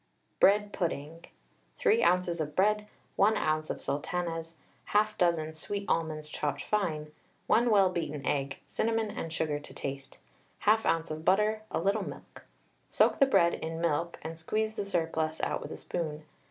BREAD PUDDING. 3 oz. of bread, 1 oz. sultanas, 1/2 doz. sweet almonds chopped fine, 1 well beaten egg, cinnamon and sugar to taste, 1/2 oz. of butter, a little milk. Soak the bread in milk, and squeeze the surplus out with a spoon.